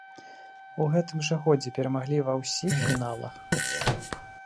У гэтым жа годзе перамаглі ва ўсіх фіналах!